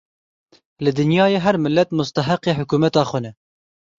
Li dinyayê her milet, musteheqê hikûmeta xwe ne.